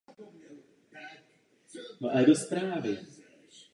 Jejich úkolem bylo nalézt ruské osady na severu.